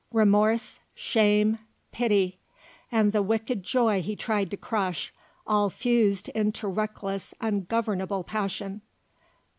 Remorse, shame, pity, and the wicked joy he tried to crush, all fused into reckless ungovernable passion.